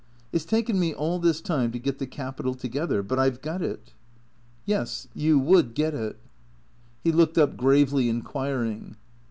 " It 's taken me all this time to get the capital together. But I 've got it." 144 THE CKEA TOES " Yes. You would get it." He looked up gravely inquiring.